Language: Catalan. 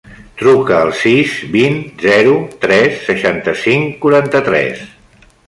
Truca al sis, vint, zero, tres, seixanta-cinc, quaranta-tres.